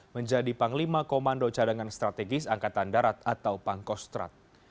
menjadi panglima komando cadangan strategis angkatan darat atau pangkostrat